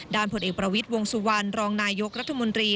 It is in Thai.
ผลเอกประวิทย์วงสุวรรณรองนายกรัฐมนตรี